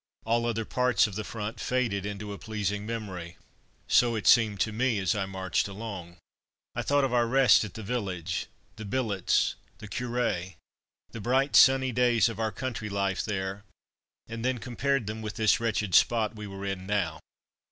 All other parts of the front faded into a pleasing memory; so it seemed to me as I marched along. I thought of our rest at the village, the billets, the Curé, the bright sunny days of our country life there, and then compared them with this wretched spot we were in now.